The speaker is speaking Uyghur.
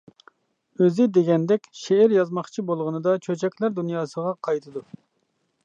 ئۆزى دېگەندەك شېئىر يازماقچى بولغىنىدا چۆچەكلەر دۇنياسىغا قايتىدۇ.